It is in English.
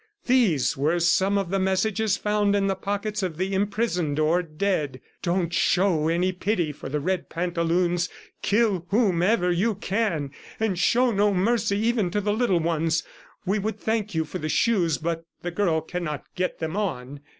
These were some of the messages found in the pockets of the imprisoned or dead: "Don't show any pity for the red pantaloons. Kill WHOMEVER YOU CAN, and show no mercy even to the little ones." ... "We would thank you for the shoes, but the girl cannot get them on.